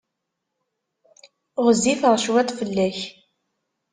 Ɣezzifeɣ cwiṭ fell-ak.